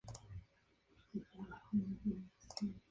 El puente en voladizo temprano más famoso es el puente de Forth.